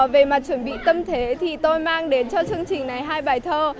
về mặt chuẩn bị tâm thế thì tôi mang đến cho chương trình này hai bài thơ